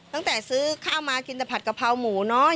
ตั้งแต่ซื้อข้าวมากินแต่ผัดกะพร้าวหมูเนอะ